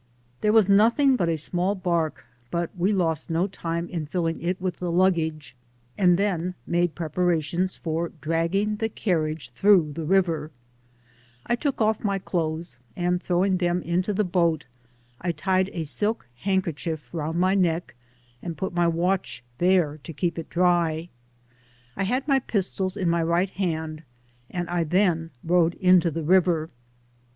Th&« was nothing but a srnaU bark, but we lost no time in filling it with the higgage, and then made prqpara* tions lor dragging the carriage through the river^ As there was not room in the bottt £«: all the party* I took off my clothes, and throwing them into the boat, I tied a silk handkerchief round my neck, and put my watch there, to keep it dry. I had my pistols in my right hand, and I then rode into the river.